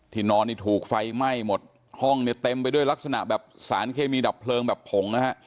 นอนนี่ถูกไฟไหม้หมดห้องเนี่ยเต็มไปด้วยลักษณะแบบสารเคมีดับเพลิงแบบผงนะฮะ